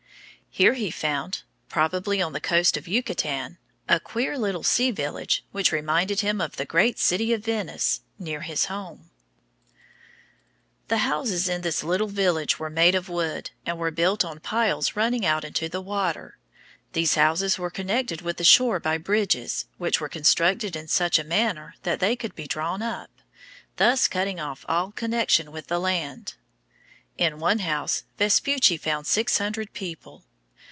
Here he found, probably on the coast of Yucatan, a queer little sea village which reminded him of the great city of Venice near his home. [Illustration: A Queer Little Sea Village.] The houses in this village were made of wood, and were built on piles running out into the water. These houses were connected with the shore by bridges, which were constructed in such a manner that they could be drawn up, thus cutting off all connection with the land. In one house Vespucci found six hundred people.